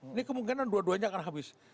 ini kemungkinan dua duanya akan habis